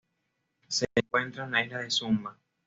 Se encuentra en la isla de Sumba.